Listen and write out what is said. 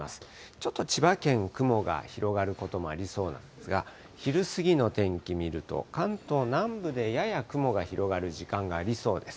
ちょっと千葉県、雲が広がることもありそうなんですが、昼過ぎの天気見ると、関東南部でやや雲が広がる時間がありそうです。